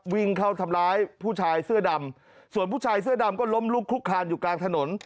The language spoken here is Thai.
วิ่งเข้าทำร้ายผู้ชายเสื้อดำส่วนผู้ชายเสื้อดำก็ล้มลุกคุกคานอยู่กลางถนน